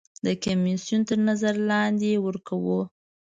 د کمیسیون تر نظر لاندې یې ورکوو.